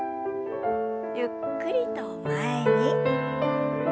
ゆっくりと前に。